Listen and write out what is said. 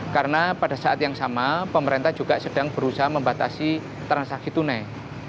karena pada saat yang sama pemerintah juga sedang berusaha membatasi transaksi tunai